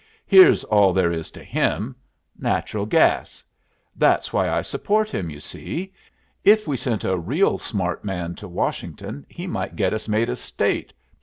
Here's all there is to him: Natural gas. That's why I support him, you see. If we sent a real smart man to Washington he might get us made a State.